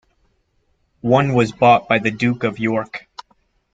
One was bought by the Duke of York.